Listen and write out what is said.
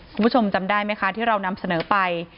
คุณผู้ชมจำได้ไหมคะที่เรานำเสนอไป